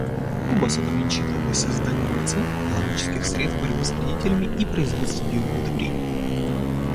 Куба сотрудничает в области создания вакцин, биологических средств борьбы с вредителями и производства биоудобрений.